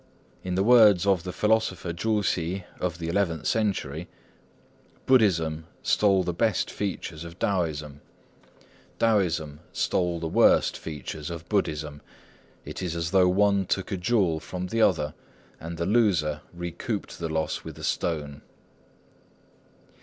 In the words of the philosopher Chu Hsi, of the eleventh century, "Buddhism stole the best features of Taoism; Taoism stole the worst features of Buddhism. It is as though one took a jewel from the other, and the loser recouped the loss with a stone."